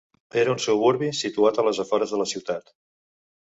Era un suburbi, situat a les afores de la ciutat.